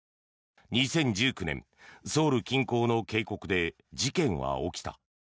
２０１９年、ソウル近郊の渓谷で事件は起きた。